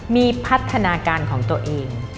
มีพัฒนาการของตัวเอง